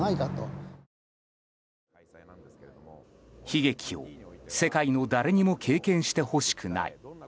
悲劇を世界の誰にも経験してほしくない。